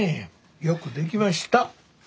よくできました。